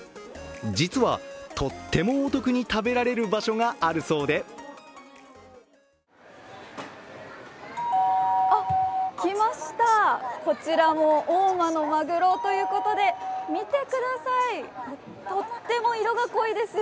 実は、とってもお得に食べられる場所があるそうで来ました、こちらも大間のまぐろということで見てくださいとっても色が濃いですよ。